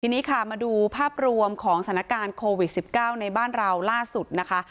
ทีนี้ค่ะมาดูภาพรวมของสถานการณ์โควิด๑๙ในบ้านเราล่าสุดนะคะ